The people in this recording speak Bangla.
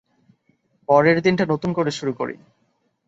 পরের দিনটা নতুন করে শুরু করি।